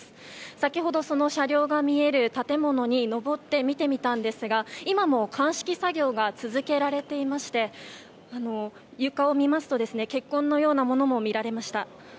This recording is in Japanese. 先ほどその車両が見える建物に上って見てみたんですが今も鑑識作業が続けられていまして床を見ますと血痕のようなものも見られました。